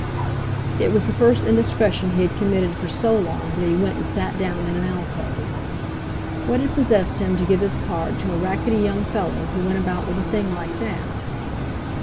It was the first indiscretion he had committed for so long that he went and sat down in an alcove. What had possessed him to give his card to a rackety young fellow, who went about with a thing like that?